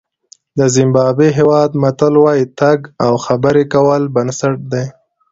د زیمبابوې هېواد متل وایي تګ او خبرې کول بنسټ دی.